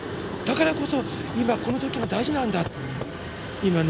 だからこそ今この時が大事なんだって。